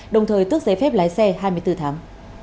đồng thời tước giấy phép lái xe hai mươi bốn tháng